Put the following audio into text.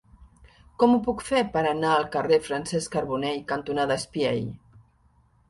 Com ho puc fer per anar al carrer Francesc Carbonell cantonada Espiell?